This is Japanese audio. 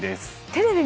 テレビ